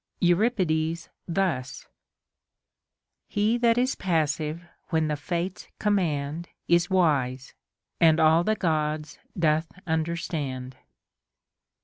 Euripides thus :— He that is passive when the Fates command Is wise, and all the Gods doth understand.